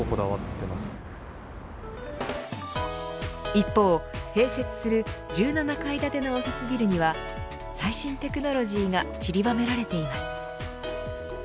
一方、併設する１７階建てのオフィスビルには最新テクノロジーが散りばめられています。